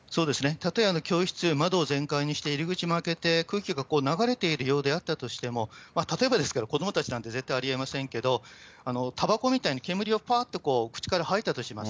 例えば教室で窓を全開にして、入り口も開けて空気が流れているようであったとしても、例えばですけど、子どもたちなんて絶対ありえませんけど、たばこみたいに煙をぱーっと口から吐いたとします。